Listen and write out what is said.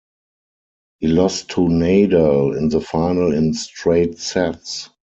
He lost to Nadal in the final in straight sets.